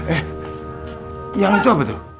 eh yang itu apa tuh